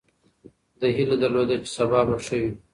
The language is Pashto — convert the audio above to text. ده هیله درلوده چې سبا به ښه وي.